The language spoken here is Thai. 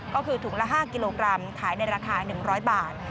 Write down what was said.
ก็คือถุงละ๕กิโลกรัมขายในราคา๑๐๐บาท